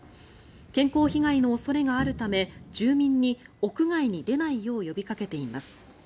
健康被害の恐れがあるため住民に屋外に出ないよう呼びかけています。